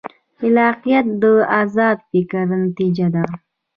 خلاقیت د ازاد فکر نتیجه ده.